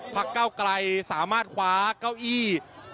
พักเก้าไกรสามารถขวาเก้าอี้